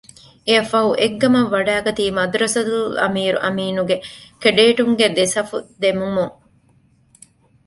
އެއަށްފަހު އެއްގަމަށް ވަޑައިގަތީ މަދްރަސަތުލް އަމީރު އަމީނުގެ ކެޑޭޓުންގެ ދެ ސަފު ދެމުމުން